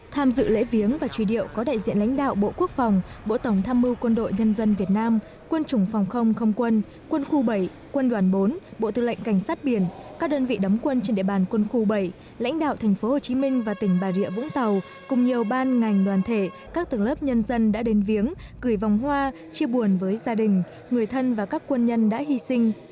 tham dự lễ viếng và truy điệu có đại diện lãnh đạo bộ quốc phòng bộ tổng tham mưu quân đội nhân dân việt nam quân chủng phòng không không quân quân khu bảy quân đoàn bốn bộ tư lệnh cảnh sát biển các đơn vị đấm quân trên địa bàn quân khu bảy lãnh đạo tp hcm và tỉnh bà rệ vũng tàu cùng nhiều ban ngành đoàn thể các tầng lớp nhân dân đã đến viếng gửi vòng hoa chia buồn với gia đình người thân và các quân nhân đã hy sinh